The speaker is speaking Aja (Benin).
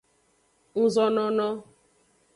Ngzonono.